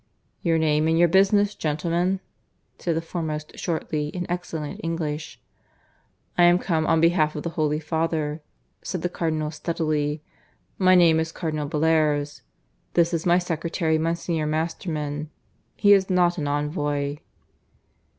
"Your name and your business, gentlemen?" said the foremost shortly, in excellent English. "I am come on behalf of the Holy Father," said the Cardinal steadily. "My name is Cardinal Bellairs. This is my secretary, Monsignor Masterman. He is not an envoy."